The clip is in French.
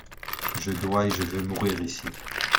Je dois et je veux mourir ici